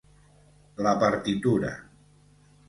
La partitura